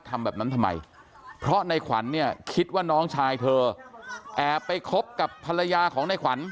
ทำแบบนั้นทำไมเพราะในขวัญเนี่ยคิดว่าน้องชายเธอแอบไปคบกับภรรยาของในขวัญ